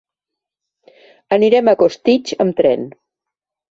Anirem a Costitx amb tren.